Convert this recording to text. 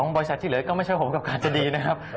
บริษัทที่เหลือก็ไม่ใช่ผมกับการจะดีนะครับ